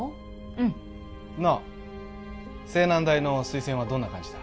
うんなあ青南大の推薦はどんな感じだ？